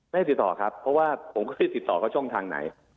ไม่ติดต่อครับเพราะว่าผมก็ไม่ได้ติดต่อเขาช่องทางไหน